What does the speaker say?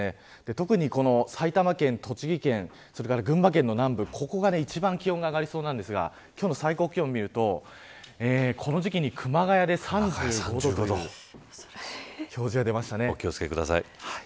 特に埼玉県、栃木県群馬県の南部ここが一番気温が上がりそうなんですが今日の最高気温を見るとこの時期に熊谷で３５度というお気を付けください。